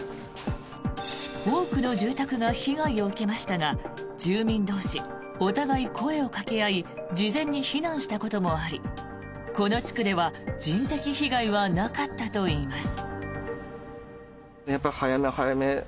多くの住宅が被害を受けましたが住民同士お互い声をかけ合い事前に避難したこともありこの地区では人的被害はなかったといいます。